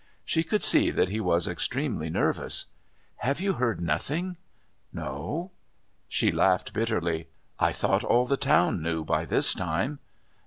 She could see that he was extremely nervous. "Have you heard nothing?" "No." She laughed bitterly. "I thought all the town knew by this time."